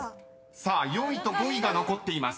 ４位と５位が残っています］